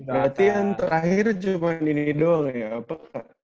berarti yang terakhir cuma ini doang ya apa